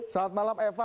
selamat malam eva